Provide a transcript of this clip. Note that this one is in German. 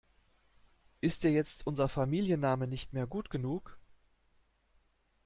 Ist dir jetzt unser Familienname nicht mehr gut genug?